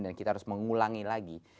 dan kita harus mengulangi lagi